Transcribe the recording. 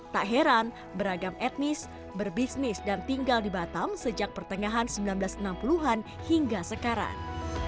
tak heran beragam etnis berbisnis dan tinggal di batam sejak pertengahan seribu sembilan ratus enam puluh an hingga sekarang